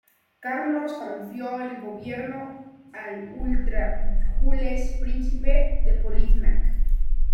Carlos confió el gobierno al ultra Jules, príncipe de Polignac.